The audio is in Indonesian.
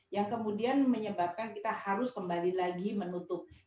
yang kemudian menyebabkan kita harus kembali lagi menutup